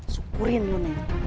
syukurin lu neneng